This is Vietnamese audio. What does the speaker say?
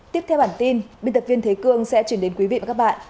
tiếp theo bản tin biên tập viên thế cương sẽ chuyển đến quý vị và các bạn